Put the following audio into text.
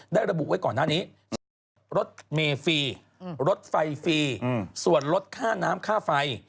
ระบุไว้ก่อนหน้านี้เช่นรถเมฟรีรถไฟฟรีส่วนลดค่าน้ำค่าไฟ